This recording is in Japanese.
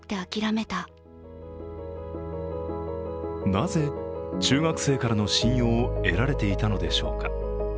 なぜ中学生からの信用を得られていたのでしょうか。